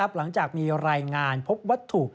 หลังจากมีรายงานพบวัตถุ